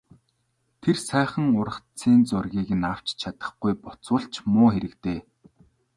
Тэр сайхан ургацын зургийг нь авч чадахгүй буцвал ч муу хэрэг дээ...